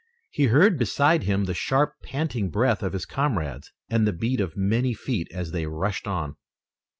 He heard beside him the sharp, panting breath of his comrades, and the beat of many feet as they rushed on.